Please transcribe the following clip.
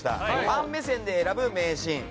ファン目線で選ぶ名シーン。